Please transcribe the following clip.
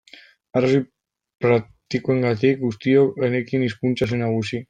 Arrazoi praktikoengatik guztiok genekien hizkuntza zen nagusi.